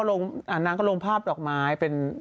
อ่านังก็อยากลงภาพดอกไม้เป็น